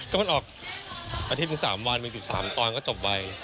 ก็มันออกอาทิตย์๓วันเป็นจุด๓ตอนก็จบไป